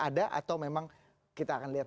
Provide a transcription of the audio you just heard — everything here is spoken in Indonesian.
ada atau memang kita akan lihat